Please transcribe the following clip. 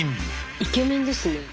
イケメンですね。